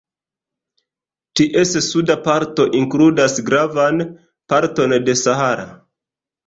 Ties suda parto inkludas gravan parton de Sahara.